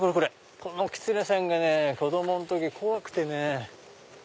このおキツネさんがね子供の時怖くてね。